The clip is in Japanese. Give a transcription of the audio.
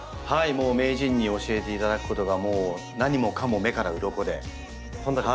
もう名人に教えていただくことがもう何もかも目からうろこでとても勉強になりましたけれども。